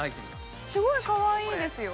すごいかわいいですよ。